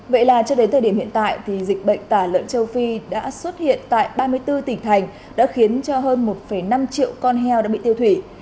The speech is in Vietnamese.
vậy là cho đến thời điểm hiện tại thì dịch bệnh tả lợn châu phi đã xuất hiện tại ba mươi bốn tỉnh thành đã khiến cho hơn một năm triệu con heo đã bị tiêu thủy